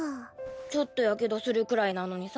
ちょっと火傷するくらいなのにさ！